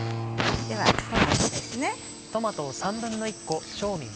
ではトマトですね。